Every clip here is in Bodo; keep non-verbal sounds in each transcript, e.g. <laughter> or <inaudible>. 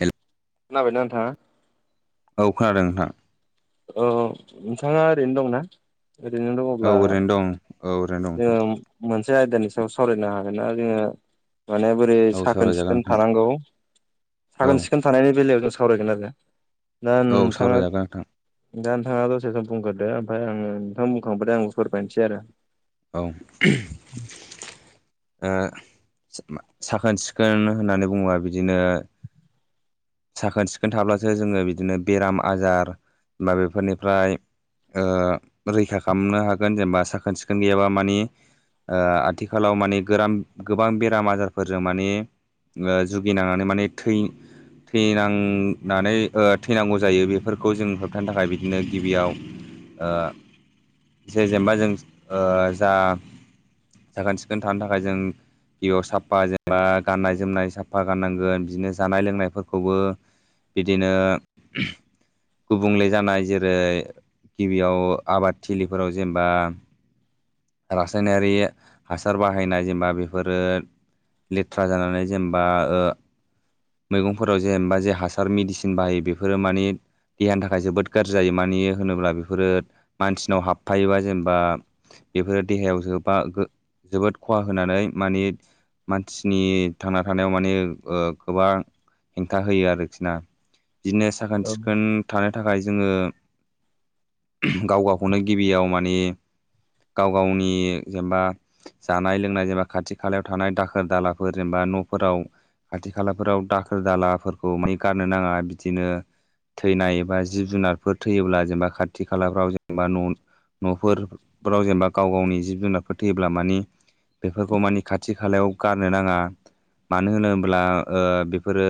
हेल'। खोनाबाय ना नोंथां। औ खोनादों नोंथां। औ नोंथांङा ओरैनो दंना ओरैनो औ दंङब्ला ओरैनो दं औ ओरैनो दं नोंथां जोंङो मोनसे आयदानि सायाव सावरायनो हागोन ना जोंङो माने बोरै औ साखोन सावरायजागोन सिखोन नोंथां थानांगौ औ साखोन सिखोन थानायनि बेलायाव सावरायगोन आरो दा औ नोंथांङा सावरायजागोन नोंथां दा नोंथांङा दसे सम बुंग्रोदो ओमफ्राय आंङो नोंथां बुंखांबाथाय आंबो फोरमायसै आरो। औ। ओ साखोन सिखोन होननानै बुंङोबा बिदिनो साखोन सिखोन थाब्लासो जोंङो बिदिनो बेराम आजार बा बेफोरनिफ्राय ओ रैखा खालामनो हागोन जेनेबा साखोन सिखोन गैयाबा मानि आथिखालाव माने गोराम गोबां बेराम आजारफोरजों माने जुगिनांनानै माने थै थैनांनानै थैनांगौ जायो बेफोरखौ जों होबथानो थाखाय बिदिनो गिबियाव जे जेनबा जों जा। साखोन सिखोन थानो थाखाय जों गिबियाव साफा जेनेबा गाननाय जोमनाय साफा गाननांगोन बिदिनो जानाय लोंनाय फोर खौबो बिदिनो गुबुंले जानाय जेरै गिबियाव आबादथिलिफोराव जेनेबा रासायनारि हासार बाहायनाय जेनेबा बेफोरो लेथ्रा जानानै जेनेबा ओ मैगंफोराव जेनबा जे हासार मेडिसिन बाहायो बेफोरो मानि देहानि थाखाय जोबोद गाज्रि जायो मानि होनोब्ला बेफोरो मानसिनाव हाबफायोबा जेनेबा बेफोरो देहायाव जोबा गो। जोबोद खहा होनानै माने मानसिनि थांना थानायाव माने ओ गोबां हेंथा होयो आरोखि ना बिदिनो साखोन औ सिखोन था थाखाय जोङो गाव गावखौनो गिबियाव माने गाव गावनि जेनेबा जानाय लोंनाय जेनबा खाथि खालायाव थानाय दाखोर दालाफोर जेनेबा न'फोराव खाथि खालाफोराव दाखोर दालाफोरखौ माने गारनो नाङा बिदिनो थैनाय एबा जिब जुनारफोर थैयोब्ला जेनेबा खाथि खालाफ्राव जेनेबा न' न'फोर फोराव जेनेबा गाव गावनि जिब जुनारफोर थैयोब्ला मानि बेफोरखौ मानि खाथि खालायाव गारनो नाङा मानो होनोब्ला ओ बेफोरो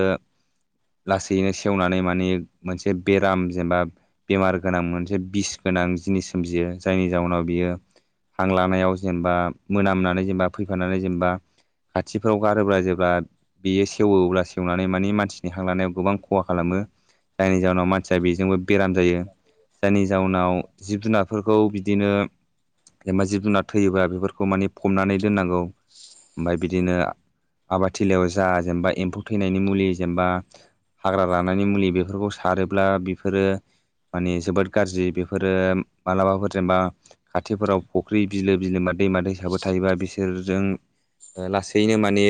लासैनो सेवनानै माने मोनसे बेराम जेनेबा बेमार गोनां मोनसे बिस गो गोनां जिनिस सोमजियो जायनि जाउनाव बियो हां लानायाव जेनेबा मोनामनानै जेनेबा फैफानानै जेनेबा खाथिफ्राव गारोब्ला जेब्ला बेयो सेवोब्ला सेवनानै मानि मानसिनि हां लानायाव गोबां खहा खालामो जायनि जाहोनाव मानसिया बेजोंबो बेराम जायो जायनि जाउनाव जिब जुनारफोरखौ बिदिनो एबा जिब जुनार थैयोब्ला बेफोरखौ माने फबनानै दोननांगौ ओमफ्राय बिदिनो आबादथिलियाव जाजेनबाय एम्फौ थैनायनि मुलि जेनेबा हाग्रा रान्नायनि मुलि बेफोरखौ सारोब्ला बेफोरो माने जोबोद गाज्रि बेफोरो मालाबाफोर जेनेबा खाथिफोराव फुख्रि बिलो बिलोमा दैमा दैसाबो थायोबा बिसोरजों लासैनो माने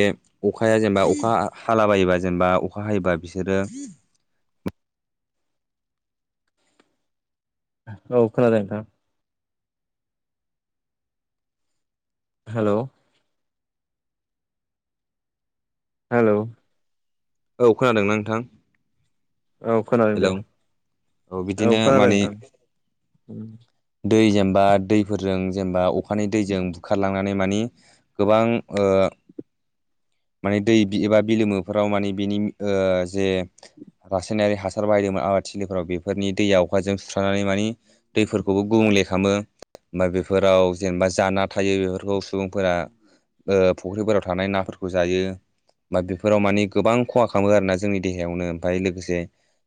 अखाया जेनेबा अखा हालाबायोबा जेनेबा अखा हायोबा बिसोरो औ खोनादों नोंथां हेल' हेल' औ खोनादों ना नोंथां औ खोनादों हेलौ दे औ बिदिनो खोनादों माने नोंथां औ दैजों बा दैफोरजों जेनेबा अखानि दैजों बुखारलांनानै माने गोबां ओ माने दै एबा बिलोमोफोराव माने बिनि ओ जे रासायनारि हासार बाहायदोंमोन आबाद थिलिफोराव बेफोरनि दैया अखाजों सुस्रनानै मानि दैफोरखौबो गुबुं ले खालामो ओमफ्राय बेफोराव जेनेबा जाना थायो बेफोरखौ सुबुंफोरा ओ फुख्रिफोराव थानाय नाफोरखौ जायो बा बेफोराव मानिे गोबां खहा खालामो आरोना जोंनि देहायावनो ओमफाय लोगोसे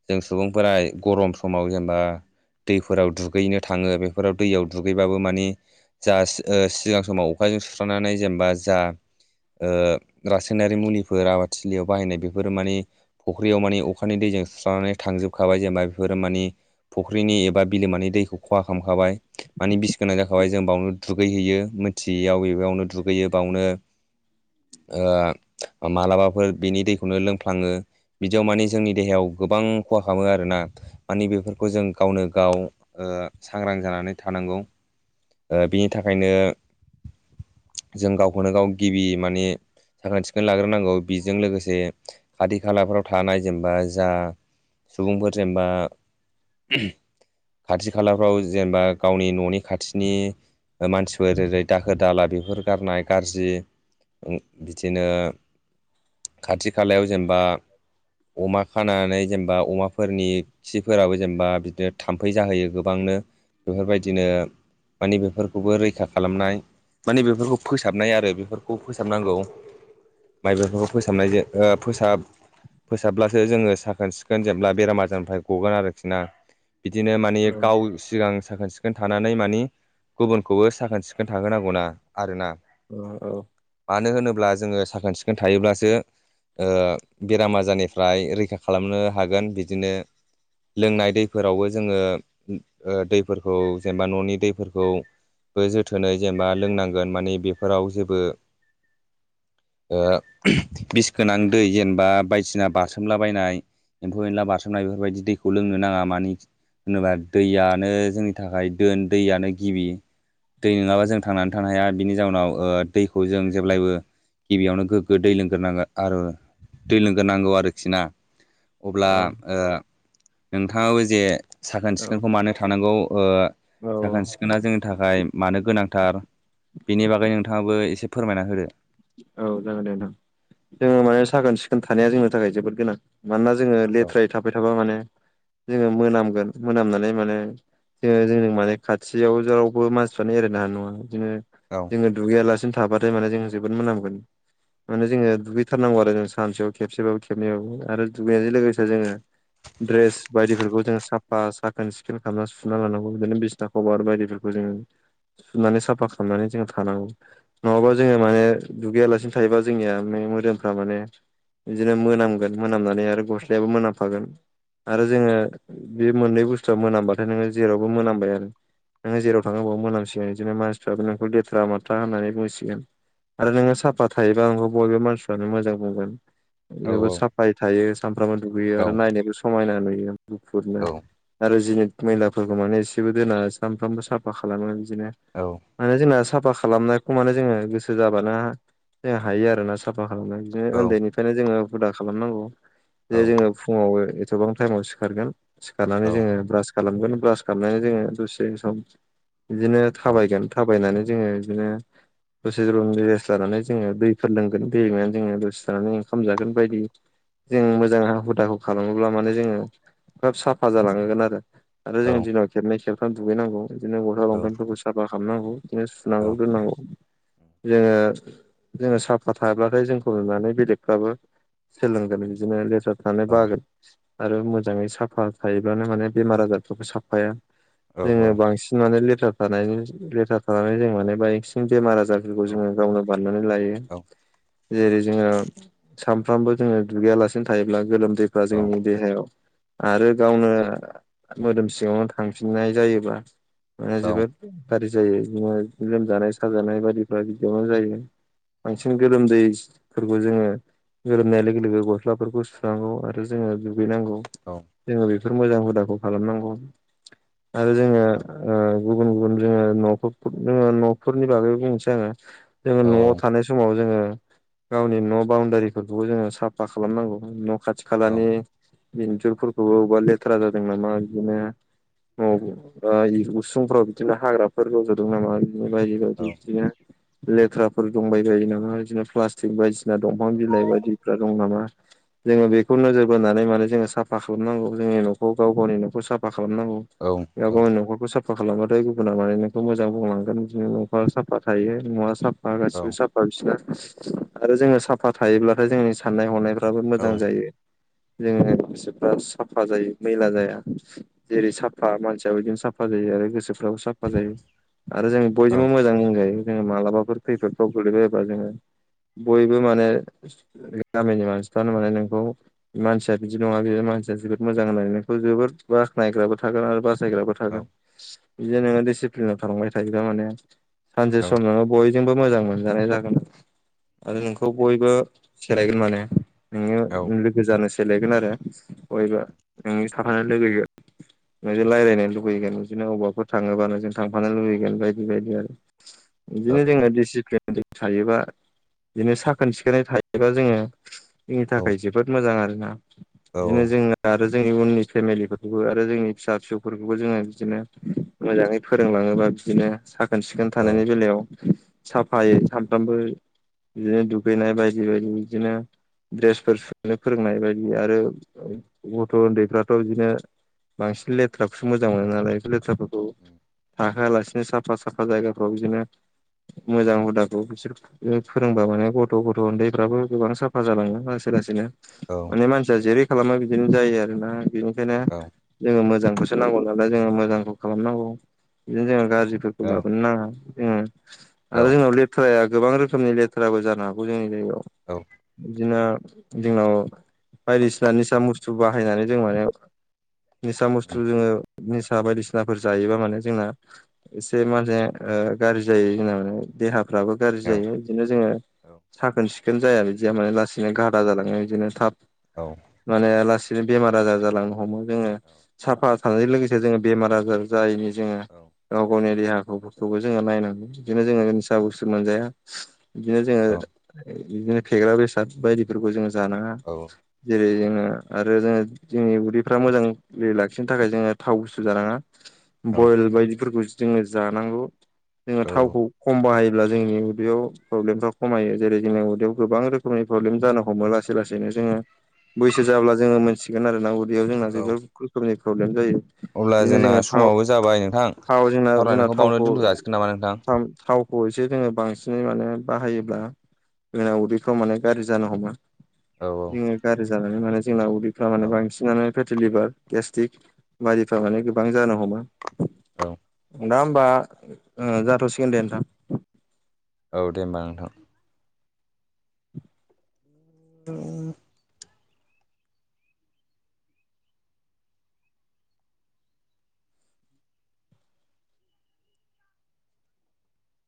जों सुबुंफोरा गरम समाव जेनेबा दैफोराव दुगैनो थाङो बेफोराव दैयाव दुगैबाबो मानिे जा सिगां समाव अखा जों सुस्रानानै जेनेबा जा ओ रासायनारि मुलिफोर आबादथिलियाव बाहायनाय बेफोरो माने फुख्रियाव माने अखानि दैजों सुस्रानानै थाङ थांजोबखाबाय जेनेबा बेफोर मानिे फुख्रिनि एबा बिलोमानि दैखौ खहा खालामखाबाय मानि बिस गोनां जाखाबाय जों बावनो दुगैहैयो मिथियैयाव बे बेयावनो दुगैयो बावनो <inaudible> ओ मालाबाफोर बिनि दैखौनो लोंफ्लाङो बिदियाव मानि जोंनि देहायाव गोबां खहा खालामो आरोना मानि बेफोरखौ जों गावनो गाव सांग्रां जानानै थानांगौ बिनि थाखायनो जों गावखौनो गाव गिबि माने साखोन सिखोन लाग्रोनांगौ बेजों लोगोसे खाथि खालाफ्राव थानाय जेनेबा जा सुबुंफोर जेनेबा खाथि खालाफ्राव जेनेबा गावनि न'नि खाथिनि मानसिफोर ओै दाखोर दाला बेफोर गारनाय गाज्रि बिदिनो खाथि खालायाव जेनेबा अमा खानानै जेनेबा अमाफोरनि खिफोराबो जेनेबा बिदिनो थाम्फै जाहोयो गोबांनो बेफोर बायदिनो माने बेफोरखौबो रैखा खालामनाय माने बेफोरखौ फोसाबनाय आरो बेफोरखौ फोसाबनांगौ। माइ बेफोरखौ फोसाबनायजों फोसाब फोसाबब्लासो जोङो साखोन सिखोन जेब्ला बेराम आजारनिफ्राय गगोन आरोखिना। बिदिनो माने औ गाव सिगां साखोन सिखोन सिखोन थानानै मानि गुबुनखौबो साखोन सिखोन थाहोनांगौना आरोना। औ औ। अब्ला जोङो साखोन सिखोन थायोब्लासो बेराम आजारनिफ्राय रैखा खालामनो हागोन बिदिनो लोंनाय दैफोरावबो जोङो दैफोरखौ एबा न'नि दैफोरखौ जोथोनै जेनेबा लोंनांगोन माने बेफोराव जेबो <inaudible> बिस गोनां दै जेनेबा बायदिसिना बारसोमलाबायनाय एम्फौ एनला बारस्रोमनाय बेफोरबायदि दैखौ लोंनो नाङा मान नो होनोबा दैयानो जोंनि थाखाय दोन दैयानो गिबि दै नङाबा जों थांनानै थानो हाया बिनि जाउनाव दैखौ जों जेब्लायबो गिबियावनो गोग्गो दै लोंग्रोनांगौ आरो दै लोंग्रोनांगौ आरोखिना। अब्ला औ नोंथाङाबो जे साखोन सिखोनखौ मानो थानांगौ औ साखोन सिखोना जोंनि थाखाय मानो गोनां थार बिनि बागै नोंथाङाबो एसे फोरमायना होदो औ जागोन दे नोंथां जोङो माने साखोन सिखोन थानाया जोंनि थाखाय जोबोद गोनां। मानोना जोङो लेथ्रायै थाबाय थाबा माने जोङो मोनामगोन। मोनामनानै माने जोङो जों माने खाथियाव रावबो मानसिफ्रानो एरायनो हानाय नङा। बिदिनो औ जोङो दुगैयालासिनो थाबाथाय माने जों जोबोद मोनामगोन। माने जोङो दुगैथारनांगौ आरो जों सानसेयाव खेबसेबाबो खेबनैबाबो आरो दुगैनायजों लोगोसे जोङो द्रेस बायदिफोरखौ जोंङो साफफा साखोन सिखोन खालामना सुना लानांगौ बिदिनो बिसना खबार बायदिफोरखौ सुनानै साफा खालामनानै जों थानांगौ नङाबा जोङो माने दुगैयालासिनो थायोबा जोंनिया मोदोमफ्रा माने बिदिनो मोनामगोन मोनामनानै आरो गस्लायाबो मोनाम फागोन। आरो जोङो बे मोननै बुस्थुआ मोनामबाथाय नोङो जेरावबो मोनामबाय आरो नोङो जेराव थाङो बेयाव मोनामसिगोन बिदिनो मानसिफ्राबो नोंखौ लेथ्रा माथ्रा होननानै बुंसिगोन। आरो नोङो साफा थायोबा नोंखौ बयबो मानसिफ्रानो मोजां बुंगोन। जोबोद साफायै थायो सानफ्रामबो दुगैयो औ आरो नायनोबो समायना नुयो गुफुरनो आरो जिनिद मैलाफोरखौ माने एसेबो दोना सामफ्रामबो साफा खालामो बिदिनो औ माने जोंना साफा खालामनायखौ माने जोङो गो सो जाबानो जों हायो आरोना साफा खालामनाय औ बिदिनो उन्दैनिफ्रायनो जोङो हुदा खालामनांगौ। जे जोङो फुङाव एथबां टाइमाव सिखारगोन सिखारनानै जोङो ब्रास खालामगोन ब्रास खालामनानै जोङो दसे सम बिदिनो थाबायगोन थाबायनानै जोङो बिदिनो दसे दुम रेस लानानै जोङो दैफोर लोंगोन दै लोंनानै जोङो दसे थानानै ओंखाम जागोन बायदि जों मोजां हुदाखौ खालामोब्ला माने जोङो खोब साफा जालाङोगोन आरो आरो जों दिनाव खेबनै खेबथाम दुगैनांगौ बिदिनो गस्ला लंफामफोरखौ साफा खालामनांगौ बिदिनो सुनांगौ दोननांगौ जोङो जोङो साफा थाब्लाथाय जोंखौ नुनानै बेलेगफ्राबो सोलोंदों बिदिनो थ बागोन आरो मोजाङै साफा थायोबानो माने बेमार आजारफोरखौ साफाया जोङो बांसिन माने लेथ्रा थानाय लेथ्रा थानानै जों माने बांसिन बेमार आजार खौ जोङो गावनो बारनानै लायो। जेरै जोङो सानफ्रामबो जोङो दुगैयालासिनो थायोब्ला गोलोमदैफ्रा जोंनि देहायाव आरो गावनो मोदोम सिङावनो थांफिननाय जायोबा माने जोबोद गाज्रि जायो बिदिनो लोमजानाय साजानाय बायदिफ्रा बिदियावनो जायो। बांसिन गोलोमदैफोरखौ जोङो गोरोबनाय लोगो लोगो गस्लाफोरखौ स्रांगौ आरो जोङो दुगैनांगौ जोङो बेफोर मोजां हुदाखौ खालामनांगौ आरो जोङो गुबुन गुबुन जोङो न' जोङो न'फोरनि बागै जों जोङो जोङो न'आव थानाय समाव जोङो गावनि न' बाउण्डारिफोरखौबो जोङो साफा खालामनांगौ न' खाथि खालानि बि जरपुरखौ बले आादोंं नाम गदिनो औ उसुंफोराव बिदिनो हाग्राफोर रज'दों नामा दि बायदि औ औ बायदि बिदिनो लेथ्राफोर दंबाय बायो नामा बिदिनो प्लास्टिक बायदि दंफां बिलाइ बायदिफ्रा दं नामा जोङो बेखौ नोजोर बोनानै माने जोङो साफ साफा खालामनांगौ जोंनि न'खौ गाव गावनि न'खौ साफा खालामनांगौ गाव औ गावनि'खखौ साफा साफा खालामबाथाय गुबुना माने नोंखौ मोजां बुंलांगोन बिदिनो न'फआा साफा थायो न'ङा साफा बागासिनो साफा गासिबो साफा बिसोरना आरो जोङो साफा थायोब्लाथाय जोंनि साननाय हनाय फाबो मोजां जायो । जोङो गोसोफ्रा साफा जायो मैला जाया जेरै साफा मानसिया बिदिनो साफा जायो। आरो गोसोफ्राबो साफा जायो आरो जों बयजोंबो मोजां रजायो। जों मा लाबाफोरफोरखौब जोङो बयबो माने गामिनि मानसिफ्रानो माने नोंखौ मानसिया बिदि नङा बे मानसिया जोबोद मोजां होननाय नोंखौ जोबोोर बासनायग्रो थागोन आरो बास जायग्राबो थागोन बिदि नोङो दिडिसिप्लिनाव थालांबाय थायोबा माने सानसे सम नोङो बयजोंबो मोजां मोनजानाय जागोन आरो नोंखौ बयबो सोलायगोन माने नोङो लोगो जानोसै सेलायगोन आरो बयबो नोंनि थाफानो लुबैगोन नो रायज्लायनो लुुबैगोन बिदिनो अबावबाफोर थाङोबाानो जों थांफानो लुुबैगोन बायदि बायदि आरो बिदिनो जोङो डिसिप्लिन थायोबा बिदिनो साखोन सिखोनै थायोबा जोङो जोंनि थाखाय जोबोद मोजां आरो ना बिदिनो जोंो आरो जोंनि उननि फेमिलिफोरखौबो आरो जोंनि फिसा फिसौफोरखौबो जोङो बिदिनो मोजाङै फोरोंलाङोबा बिदिनो साख्रि साखोन सिखोन थानायनि बेलायाव साफायै सानफ्रामबो बिदिनो दुगैनाय बायदि बायदि बिदिनो द्रेसफोर सुनो बुंनाय बायदि आरो गथ' उन्दैफ्राथ' बिदिनो बांसिन लेथ्राखौसो मोजां मोनो नालाय बे लेथ्राफोरखौ थाखोआलासिनो साफा साफा जायगाफ्राव बिदिनो मोजां हुदाखौ बिसोर फोरोंबा माने गथ' गथ' उन्दैफ्राबो गोबां साफा जालाङो लासै लासैनो अने मानसिया जेरै खालामा बिदिनो जायो आरोोना बिनिखायनो जोङो मोजां खौसो नांगौ नालाय जोङो मोजांखौ खालामनांगौ बिदिनो जोङो गाज्रिफोरखौ लाबोनो नाङा जोङो आरो जोंनाव लेथ्राया गोबां रोखोमनि लेथ्राबो जानो हागौ जोंनि जायगायाव औ बिदिनो जोंनाव बायदिसिना निसा बुस्थु बाहायनानै जों माने निसा मुस्थु जोङो निसा बायदिसिनाफोर जायोबा माने जोंना एसे माने ओ गाज्रि जायो जोंना माने देहाफ्राबो गाज्रि जायो बिदिनो जोङो साखोन सिख जों जाया बिदिया माने लासैनो गादा जालाङो बिदिनो थाब माने लासै बिदिनो बेमार आजार जालांनो हमो जोङो साफा थानायजों लोगोसे जोङो बेमार आजार जायैनि जोङो गाव गावनि देहाफोरखौबो जोङो नायानांगौ बिदिनो जोङो निसा बुस्थु मोनजाया बिदिनो जोङो बिदिनो फेग्रा बेसाद बायदिफोरखौ जोंङो जानाङा जेरै जोङो आरो जोङो जोंनि उदैफ्रा मोजाङै लाखिनो थाखाय जोङो थाव गुसु जानाङा बयल बायदिफोरखौ जोङो जानांगौ जोङो थावखौ खम बाहाय ब्ला जोंनि उदैयाव प्रब्लेमफ्रा खमायो जेरै जोंनि उदैयाव गोबां रोखोमनि प्रब्लेम जानो हमो लासै लासैनो जोंङो बैसो जाब्ला जोंङो मोनसिगोन आरो ना उदैयाव जोंना जबोद रोखोमनि प्रब्लेम जायो। अब्ला बिदिनो जोंना जोंङो थाव समाबो जाबाय नोंथां थाव जोंना जोंना सावरायनायखौ बावनो थावखौ दोनथ' जासिगोन नामा नोंथां? थाम थाव अबयसे जोंङो बांसिनै माने बाहायोब्ला जोंना उदैफ्राव माने गाज्रि जानो हमो। औ जोंङो गाज्रि जानानै माने जोंना उदैफ्रा औ माने बांसिनानो पेटिलिभार गेस्ट्रिक बायारिफ्रा माने गोबां जानो हमो। औ दा होमबा ओ जाथ'सिगोन दे नोंथां। औ दे होमबा नोंथां <inaudible> ओ उम